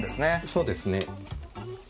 そうですね。